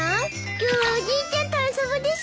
今日はおじいちゃんと遊ぶです。